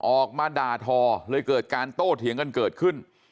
ออกมาด่าทอเลยเกิดการโต้เถียงกันเกิดขึ้น